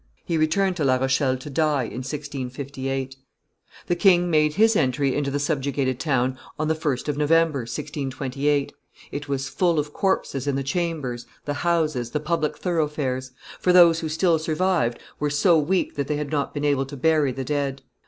He returned to La Rochelle to die, in 1656. The king made his entry into the subjugated town on the 1st of November, 1628: it was full of corpses in the chambers, the houses, the public thoroughfares; for those who still survived were so weak that they had not been able to bury the dead.